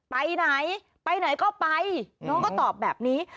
ไปไหนไปไหนก็ไปน้องก็ตอบแบบนี้